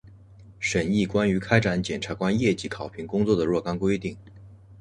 审议关于开展检察官业绩考评工作的若干规定